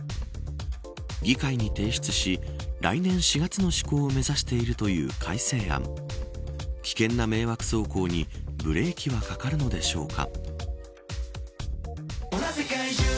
議会に提出し来年４月の施行を目指しているという改正案危険な迷惑走行にブレーキはかかるのでしょうか。